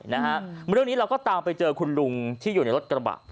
เรื่องนี้เราก็ตามไปเจอคุณลุงที่อยู่ในรถกระบะ